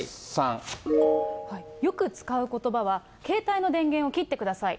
よく使うことばは携帯の電源を切ってください。